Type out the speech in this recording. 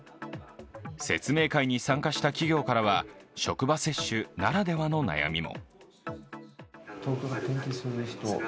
説明会に参加した企業からは、職場接種ならではの悩みも。